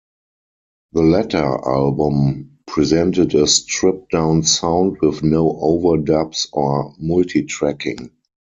The latter album presented a stripped down sound with no overdubs or multitracking.